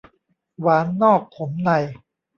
หวานนอกขมใน